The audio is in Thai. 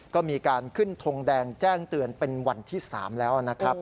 ก็มีการขึ้นทงแดงแจ้งเตือนเป็นวันที่๓แล้วนะครับ